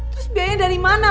terus biayanya dari mana